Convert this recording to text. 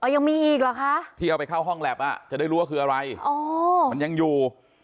ยังมีอีกเหรอคะที่เอาไปเข้าห้องแล็บจะได้รู้ว่าคืออะไรอ๋อมันยังอยู่